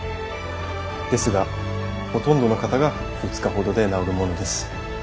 ですがほとんどの方が２日ほどで治るものです。